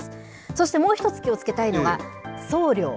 そして、もう１つ気をつけたいのが、送料。